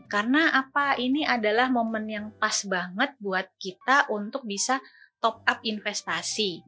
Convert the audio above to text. karena ini adalah momen yang pas banget buat kita untuk bisa top up investasi